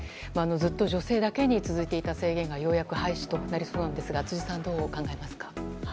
ずっと女性だけに続いていた制限がようやく廃止となりそうですが辻さんはどう感じますか？